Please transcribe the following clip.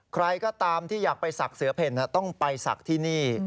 ใครก็ตามที่อยากไปศักดิ์เสือเพ่นต้องไปศักดิ์ที่นี่